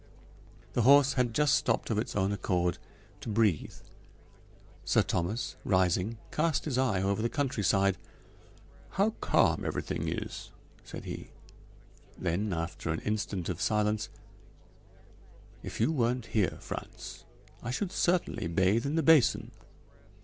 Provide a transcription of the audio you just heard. The horse had just stopped of his own accord to breathe; Sir Thomas, rising, cast his eye over the countryside. "How calm everything is!" said he. Then, after an instant of silence: "If you weren't here, Frantz, I should certainly bathe in the basin."